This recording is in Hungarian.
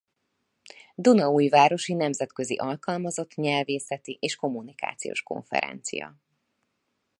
Dunaújvárosi Nemzetközi Alkalmazott nyelvészeti és Kommunikációs Konferencia.